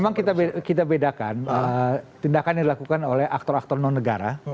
memang kita bedakan tindakan yang dilakukan oleh aktor aktor non negara